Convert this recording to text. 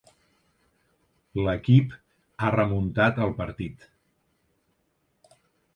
L'equip ha remuntat el partit.